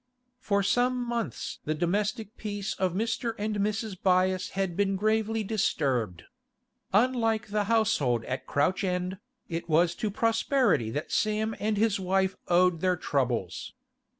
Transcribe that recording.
For some months the domestic peace of Mr. and Mrs. Byass had been gravely disturbed. Unlike the household at Crouch End, it was to prosperity that Sam and his wife owed their troubles.